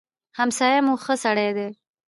همسايه مو ښه سړی دی.